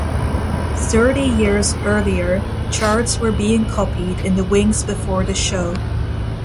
Thirty years earlier, charts were being copied in the wings before the show.